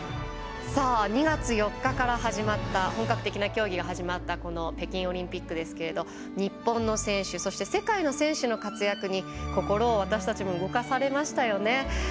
２月４日から本格的な競技が始まった北京オリンピックですが日本の選手そして世界の選手の活躍に私たちも心を動かされましたよね。